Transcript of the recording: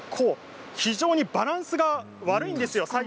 非常にバランスが悪いんですよ。